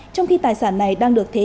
trong khi tài sản này đã được xét xử